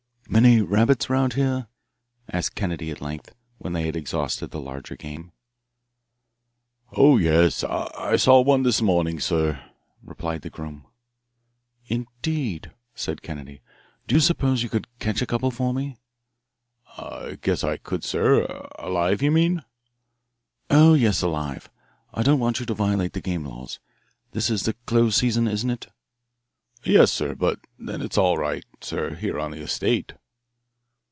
"Many rabbits about here?" asked Kennedy at length, when they had exhausted the larger game. "Oh, yes. I saw one this morning, sir," replied the groom. "Indeed?" said Kennedy. "Do you suppose you could catch a couple for me?" "Guess I could, sir alive, you mean?" "Oh, yes, alive I don't want you to violate the game laws. This is the closed season, isn't it?" "Yes, sir, but then it's all right, sir, here on the estate."